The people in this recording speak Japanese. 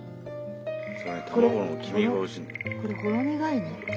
これほろ苦いね。